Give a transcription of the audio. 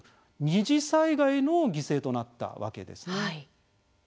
二次災害の犠牲となったわけです。